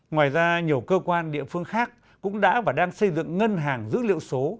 ngoài ra nhiều cơ quan địa phương khác cũng đã và đang xây dựng ngân hàng dữ liệu số